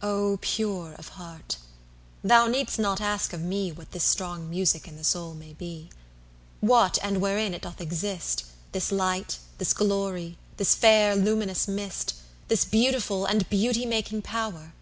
VO pure of heart! thou need'st not ask of meWhat this strong music in the soul may be! What, and wherein it doth exist, This light, this glory, this fair luminous mist, This beautiful and beauty making power.